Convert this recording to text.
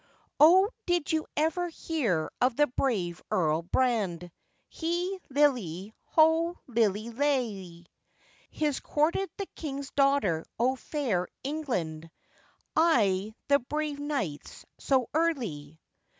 ] O DID you ever hear of the brave Earl Brand, Hey lillie, ho lillie lallie; His courted the king's daughter o' fair England, I' the brave nights so early!